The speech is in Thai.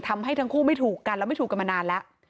ทำให้ทั้งคู่ไม่ถูกกันแล้วไม่ถูกกันมานานแล้ว